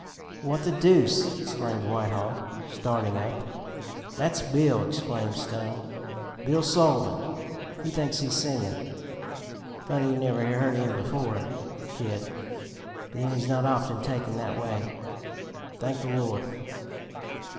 "What the deuce!" exclaimed Whitehall, starting up. "That's Bill," explained Stone. "Bill Sullivan. He thinks he's singin'. Funny you never heard him before, Kid, but then he's not often taken that way, thank the Lord."